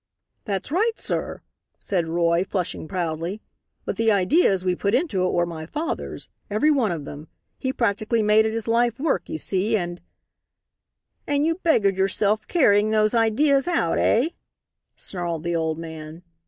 "That's right, sir," said Roy, flushing proudly; "but the ideas we put into it were my father's every one of them. He practically made it his life work, you see, and " "And you beggared yourself carrying those ideas out, eh?" snarled the old man.